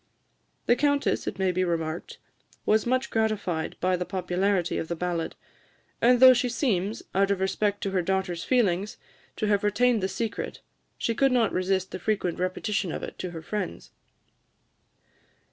The Countess, it may be remarked, was much gratified by the popularity of the ballad; and though she seems, out of respect to her daughter's feelings, to have retained the secret, she could not resist the frequent repetition of it to her friends.